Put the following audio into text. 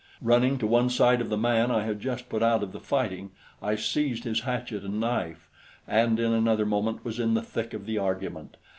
Running to one side of the man I had just put out of the fighting, I seized his hatchet and knife, and in another moment was in the thick of the argument.